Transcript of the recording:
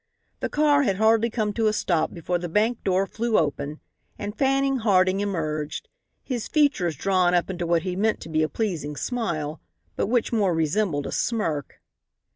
The car had hardly come to a stop before the bank door flew open and Fanning Harding emerged, his features drawn up into what he meant to be a pleasing smile, but which more resembled a smirk.